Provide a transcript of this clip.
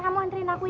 kamu anterin aku ya